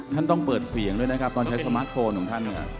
ท่านต้องเปิดเสียงด้วยนะครับตอนใช้สมาร์ทโฟนของท่าน